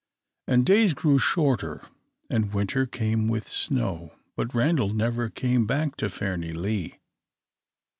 And days grew shorter, and winter came with snow, but Randal never came back to Fairnilee.